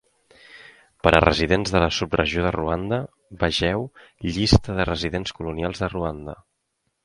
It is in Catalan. Per a "residents de la subregió de Ruanda", vegeu "Llista de residents colonials de Ruanda".